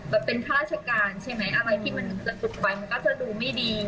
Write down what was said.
เป็นข้าราชการใช่ไหมอะไรที่มันระสุกไปมันก็จะดูไม่ดี